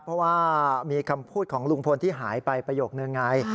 เพราะว่ามีคำพูดของลุงพลที่หายไปประโยคนึงไง